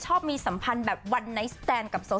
ชอบมีสัมพันธ์แบบวันไนท์สแตนกับโซ